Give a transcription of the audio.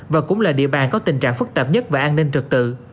và cũng là địa bàn có tình trạng phức tạp nhất về an ninh trật tự